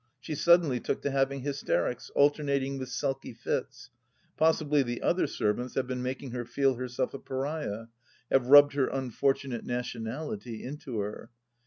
She suddenly took to having hysterics, alternating with sulky fits. Possibly the other servants have been making her feel herself a pariah — have rubbed her unfortunate nationality into her.